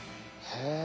へえ！